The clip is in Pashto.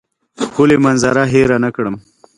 ښکلې منظره هېره نه کړم.